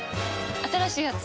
新しいやつ？